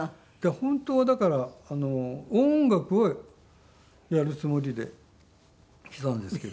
本当はだから音楽をやるつもりできたんですけど。